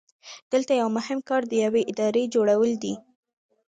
دلته یو مهم کار د یوې ادارې جوړول دي.